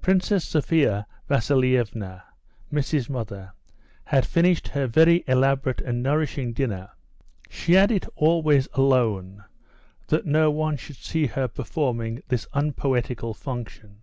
Princess Sophia Vasilievna, Missy's mother, had finished her very elaborate and nourishing dinner. (She had it always alone, that no one should see her performing this unpoetical function.)